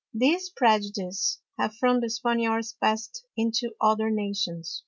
These Prejudices have from the Spaniards pass'd into other Nations.